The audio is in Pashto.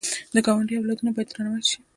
د ګاونډي اولادونه باید درناوی وشي